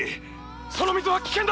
その水は危険だ！！